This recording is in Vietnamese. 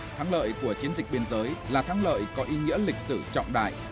thắng lợi của chiến dịch biên giới là thắng lợi có ý nghĩa lịch sử trọng đại